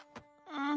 うん。